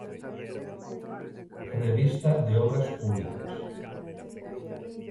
Revista de Obras Públicas.